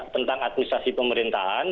tentang administrasi pemerintahan